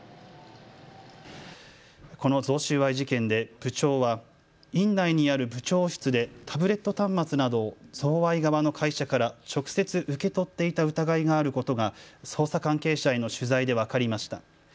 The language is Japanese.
この贈収賄事件で部長は院内にある部長室でタブレット端末などを贈賄側の会社から直接受け取っていた疑いがあることが捜査関係者への取材で分かりました。